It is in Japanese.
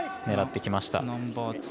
狙ってきました。